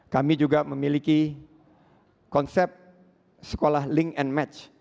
kami juga memiliki konsep sekolah link and match